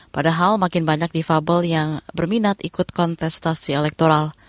padahal makin banyak difabel yang berminat ikut kontestasi elektoral